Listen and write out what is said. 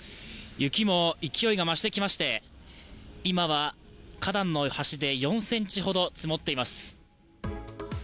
雪も勢いを増してきまして今は花壇の端で４ｃｍほど積もっています。